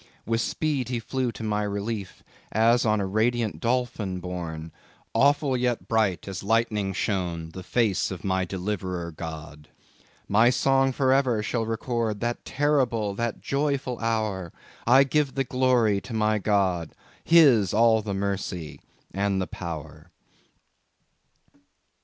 "With speed he flew to my relief, As on a radiant dolphin borne; Awful, yet bright, as lightning shone The face of my Deliverer God. "My song for ever shall record That terrible, that joyful hour; I give the glory to my God, His all the mercy and the power."